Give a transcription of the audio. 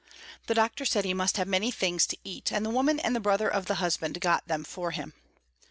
The doctor said he must have many things to eat, and the woman and the brother of the husband got them for him.